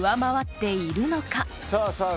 さあさあ